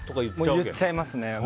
言っちゃいますね。